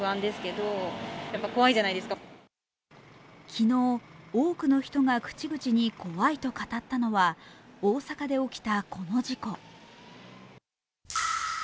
昨日、多くの人が口々に怖いと語ったのは大阪で起きた、この事故。